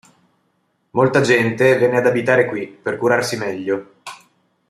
Molta gente venne ad abitare qui per curarsi meglio.